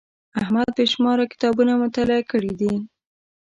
احمد بې شماره کتابونه مطالعه کړي دي.